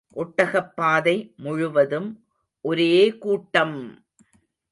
ஒட்டகப்பாதை முழுவதும் ஒரே கூட்டம்!